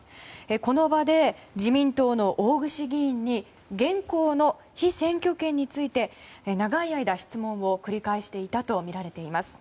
この場で自民党の大串議員に現行の被選挙権について長い間、質問を繰り返していたとみられています。